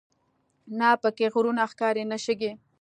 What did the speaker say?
نه په کې غرونه ښکاري نه شګې.